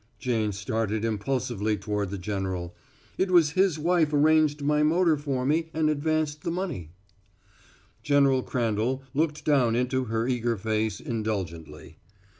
Jane started impulsively toward the general. "It was his wife arranged my motor for me and advanced me money." General Crandall looked down into her eager face indulgently.